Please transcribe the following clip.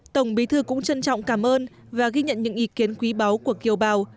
tổng bí thư cũng trân trọng cảm ơn và ghi nhận những ý kiến quý báu của kiều bào